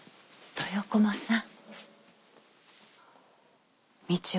豊駒さん